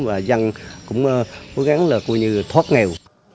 và dân cũng cố gắng thuốc nghèo